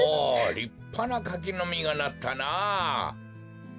りっぱなかきのみがなったな。